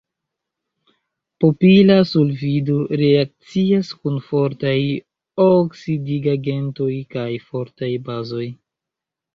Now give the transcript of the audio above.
Propila sulfido reakcias kun fortaj oksidigagentoj kaj fortaj bazoj.